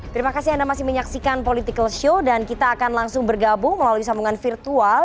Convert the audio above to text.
terima kasih anda masih menyaksikan political show dan kita akan langsung bergabung melalui sambungan virtual